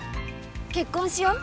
結婚しよう。